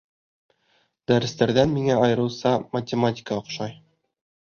Дәрестәрҙән миңә айырыуса математика оҡшай.